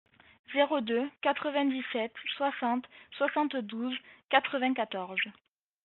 Zéro deux quatre-vingt-dix-sept soixante soixante-douze quatre-vingt-quatorze.